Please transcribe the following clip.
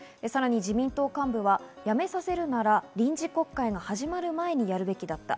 自民党幹部は、辞めさせるなら臨時国会が始まる前にやるべきだった。